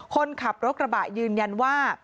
คนขับรถกระบะยืนยันว่า